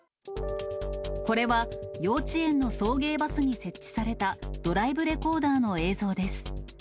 これは、幼稚園の送迎バスに設置された、ドライブレコーダーの映像です。